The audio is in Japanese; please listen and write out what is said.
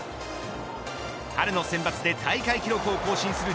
春のセンバツで大会記録を更新する